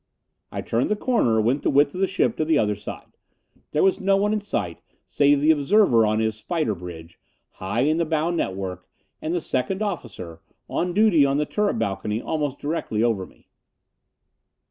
I turned the corner, went the width of the ship to the other side. There was no one in sight save the observer on his spider bridge, high in the bow network, and the second officer, on duty on the turret balcony almost directly over me.